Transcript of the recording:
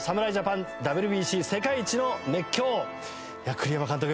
栗山監督